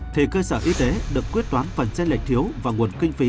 thì cơ sở y tế được quyết toán phần tranh lệch thiếu và nguồn kinh phí